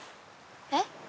えっ？